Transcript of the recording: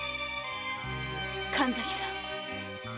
神崎さん。